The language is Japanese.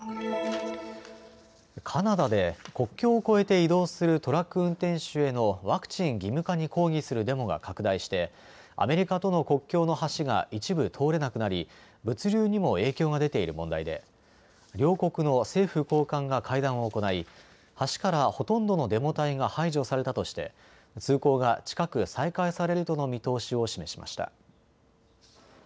カナダで国境を越えて移動するトラック運転手へのワクチン義務化に抗議するデモが拡大してアメリカとの国境の橋が一部通れなくなり物流にも影響が出ている問題で両国の政府高官が会談を行い橋からほとんどのデモ隊が排除されたとして通行が近く再開されるとの見通しを示しました。